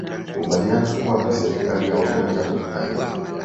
ubaliana kuwa na serikali ya umoja wa kitaifa